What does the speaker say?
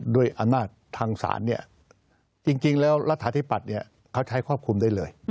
ด้วยอันมาทย์ทางศาลจริงแล้วรัฐธิบัตรเขาใช้ครอบคุมได้เลย